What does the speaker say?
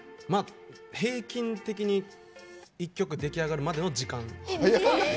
平均的に１曲出来上がるまでの時間。